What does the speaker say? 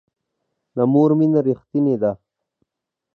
د مور مینه ریښتینې ده